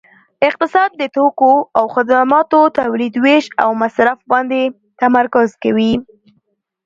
اقتصاد د توکو او خدماتو تولید ویش او مصرف باندې تمرکز کوي